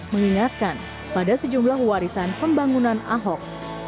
mengingatkan pada sejumlah warisan pembangunan ahok